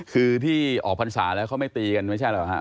คือที่ออกพรรษาแล้วเขาไม่ตีกันไม่ใช่หรอกฮะ